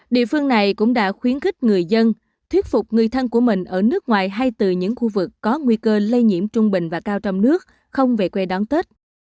địa phương này cũng đã khuyến khích người dân thuyết phục người thân của mình ở nước ngoài hay từ những khu vực có nguy cơ lây nhiễm trung bình và cao trong nước không về quê đón tết